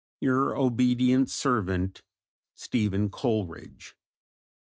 Your obedient servant, STEPHEN COLERIDGE.